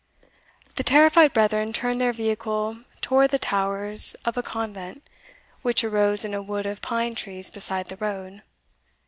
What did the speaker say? The terrified brethren turned their vehicle toward the towers of a convent, which arose in a wood of pine trees beside the road.